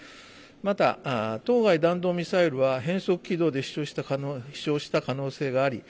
また当該、弾頭ミサイルは変則軌道で飛しょうした可能性があり